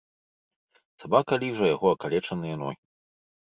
Сабака ліжа яго акалечаныя ногі.